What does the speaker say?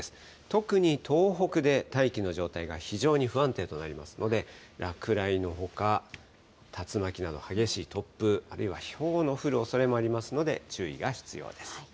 特に東北で大気の状態が非常に不安定となりますので、落雷のほか、竜巻など、激しい突風、あるいはひょうの降るおそれもありますので、注意が必要です。